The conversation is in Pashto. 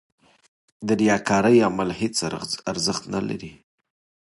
د ریاکارۍ عمل هېڅ ارزښت نه لري.